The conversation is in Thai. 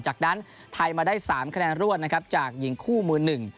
จากนั้นไทยมาได้๓คะแนนรวดนะครับจากหญิงคู่มือหนึ่ง